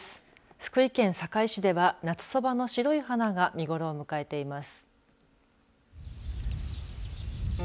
福井県坂井市では、夏そばの白い花が見頃を迎えています。